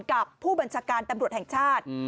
กับผู้บัญชาการตำรวจแททน